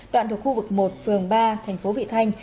đoạn thuộc khu vực một phường ba thành phố vị thanh